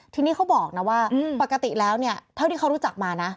ทีนี้เขาบอกว่าปกติแล้วเท่าที่เขารู้จักมา